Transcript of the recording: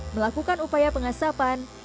melakukan upaya penghasilan penyakit yang berbeda